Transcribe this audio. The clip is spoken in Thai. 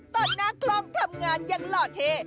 ตอนหน้ากล้องทำงานยังหล่อเท